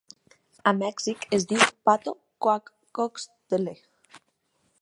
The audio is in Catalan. A Mèxic es diu 'pato coacoxtle'.